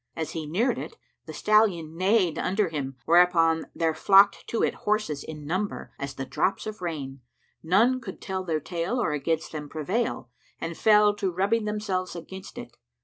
As he neared it, the stallion neighed under him, whereupon there flocked to it horses in number as the drops of rain, none could tell their tale or against them prevail, and fell to rubbing themselves against it.